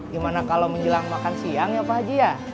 gimana kalau menjelang makan siang ya pak haji ya